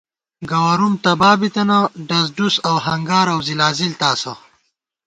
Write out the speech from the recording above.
گوَرُوم تبا بِتَنہ، ڈزڈُز اؤ ہنگار اؤ ځلاځِل تاسہ